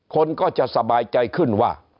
คนก็จะสบายใจขึ้นว่า